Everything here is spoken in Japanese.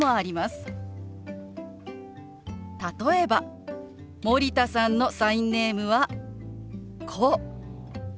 例えば森田さんのサインネームはこう。